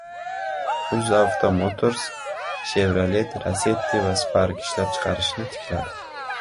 "UzAvto Motors" Chevrolet Lacetti va Spark ishlab chiqarishni tikladi